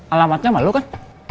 alamatnya sama lu kan